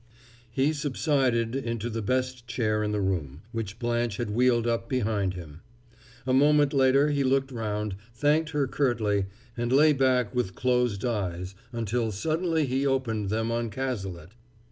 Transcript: He subsided into the best chair in the room, which Blanche had wheeled up behind him; a moment later he looked round, thanked her curtly, and lay back with closed eyes until suddenly he opened them on Cazalet.